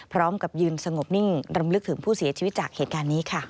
พร้อมกับยืนสงบนิ่งรำลึกถึงผู้เสียชีวิตจากเหตุการณ์นี้ค่ะ